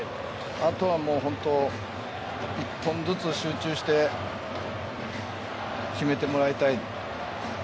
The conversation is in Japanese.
あとは一本ずつ集中して決めてもらいたい。